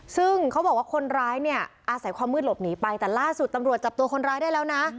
ซึ่งเขาบอกว่าคนร้ายเนี่ยอาศัยความมืดหลบหนีไปแต่ล่าสุดตำรวจจับตัวคนร้ายได้แล้วนะ